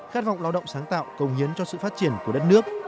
khát vọng lao động sáng tạo công hiến cho sự phát triển của đất nước